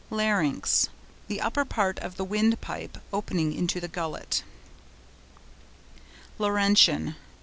LARYNX.—The upper part of the windpipe opening into the gullet. LAURENTIAN.